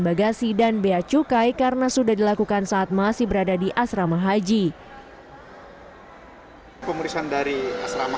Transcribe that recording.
bagasi dan bea cukai karena sudah dilakukan saat masih berada di asrama haji pemeriksaan dari asrama